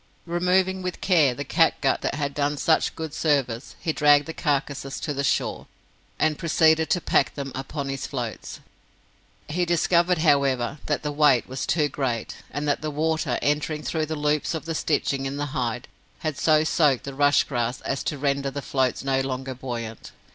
Removing with care the catgut that had done such good service, he dragged the carcases to the shore, and proceeded to pack them upon his floats. He discovered, however, that the weight was too great, and that the water, entering through the loops of the stitching in the hide, had so soaked the rush grass as to render the floats no longer buoyant.